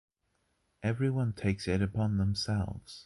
Everyone takes it upon themselves.